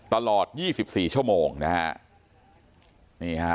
๑๗๘๔ตลอด๒๔ชั่วโมงนะครับ